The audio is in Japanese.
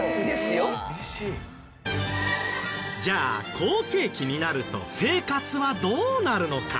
じゃあ好景気になると生活はどうなるのか？